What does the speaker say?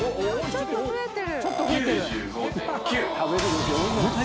ちょっと増えてる！